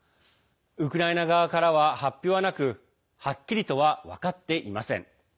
ウクライナ側から発表はなくはっきりとは分かっていません。